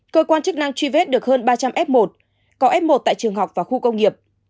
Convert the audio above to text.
cơ quan chức năng truy vết được hơn ba trăm linh f một có f một tại trường học và khu công nghiệp